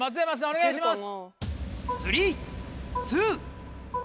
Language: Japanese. お願いします。